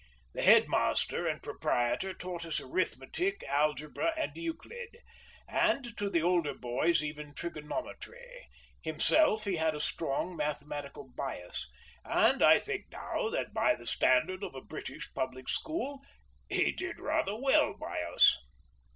The head master and proprietor taught us arithmetic, algebra, and Euclid, and to the older boys even trigonometry, himself; he had a strong mathematical bias, and I think now that by the standard of a British public school he did rather well by us.